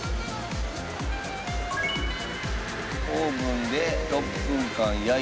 オーブンで６分間焼いていきます。